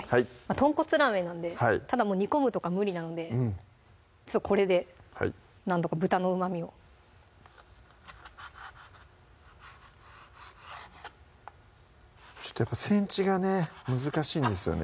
とんこつラーメンなんでただ煮込むとか無理なのでこれでなんとか豚のうまみをやっぱセンチがね難しいんですよね